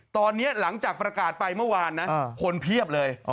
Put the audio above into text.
ตอนนี้หลังจากประกาศไปเมื่อวานนะคนเพียบเลย